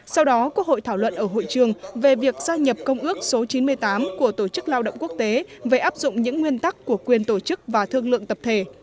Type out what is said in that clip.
sau đó quốc hội thảo luận ở hội trường về việc gia nhập công ước số chín mươi tám của tổ chức lao động quốc tế về áp dụng những nguyên tắc của quyền tổ chức và thương lượng tập thể